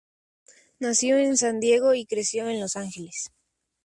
Nació en San Diego y creció en Los Angeles.